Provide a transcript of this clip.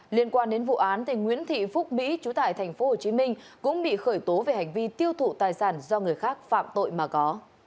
liên quan đến vụ án nguyễn thị phúc mỹ chú tại tp hcm cũng bị khởi tố về hành vi tiêu thụ tài sản do người khác phạm tội mà có